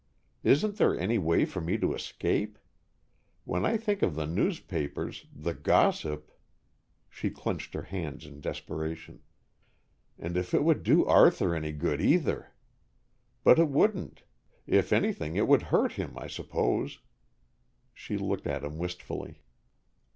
Isn't there any way for me to escape? When I think of the newspapers, the gossip, " She clenched her hands in desperation. "And if it would do Arthur any good, either! But it wouldn't. If anything, it would hurt him, I suppose." She looked at him wistfully.